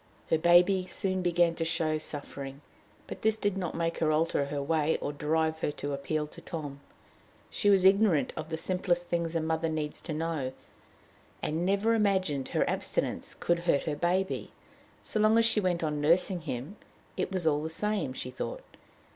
Her baby soon began to show suffering, but this did not make her alter her way, or drive her to appeal to Tom. She was ignorant of the simplest things a mother needs to know, and never imagined her abstinence could hurt her baby. So long as she went on nursing him, it was all the same, she thought.